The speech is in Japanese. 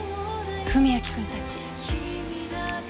史明君たち。